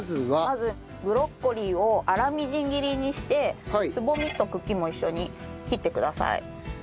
まずブロッコリーを粗みじん切りにしてつぼみと茎も一緒に切ってください。